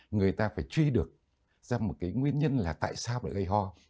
người ta phải truy được ra một cái nguyên nhân là tại sao lại gây ho